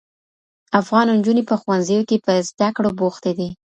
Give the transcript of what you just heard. افغان نجوني په ښوونځیو کي په زده کړو بوختې دي.